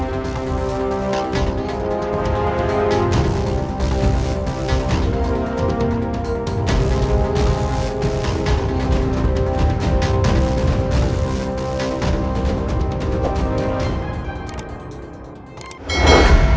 dan aku juga mencintai kandaprabu sebagai suamiku